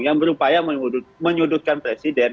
yang berupaya menyudutkan presiden